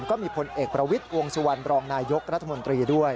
ก็มีผลเอกประวิทย์วงสุวรรณรองนายกรัฐมนตรีด้วย